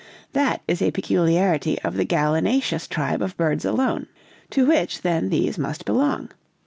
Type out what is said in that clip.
That is a peculiarity of the gallinaceous tribe of birds alone, to which then these must belong.